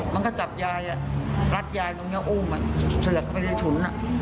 มันก็จับยายรัดยายตรงนี้อุ้มเสือกเข้าไปในฉุน